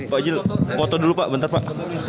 pak jil foto dulu pak bentar pak